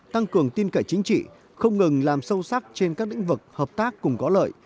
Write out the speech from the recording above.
tăng cường tin cậy chính trị không ngừng làm sâu sắc trên các lĩnh vực hợp tác cùng có lợi